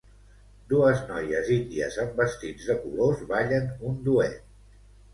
Dues noies índies amb vestits de colors ballen un duet.